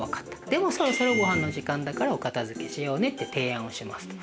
でもそろそろごはんの時間だからお片づけしようね」って提案をしますと。